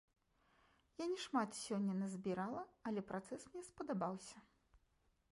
Я не шмат сёння назбірала, але працэс мне спадабаўся.